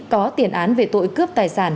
có tiền án về tội cướp tài sản